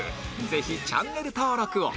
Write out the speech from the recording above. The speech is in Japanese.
ぜひチャンネル登録を